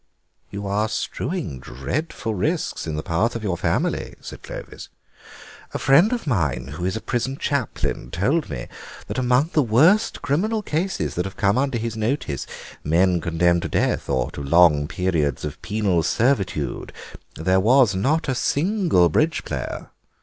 "You are strewing dreadful risks in the path of your family," said Clovis; "a friend of mine who is a prison chaplain told me that among the worst criminal cases that have come under his notice, men condemned to death or to long periods of penal servitude, there was not a single bridge player.